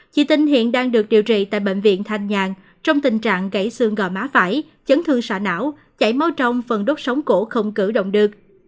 chị tinh hiện đang được điều trị tại bệnh viện thanh nhàn trong tình trạng gãy xương gòi má phải chấn thương sọ não chảy máu trong phần đốt sống cổ không cử động được